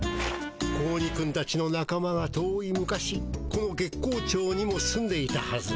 子鬼くんたちのなか間が遠い昔この月光町にも住んでいたはず。